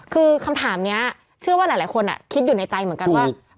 คือคำถามนี้เชื่อว่าหลายคนคิดอยู่ในใจเหมือนกันว่า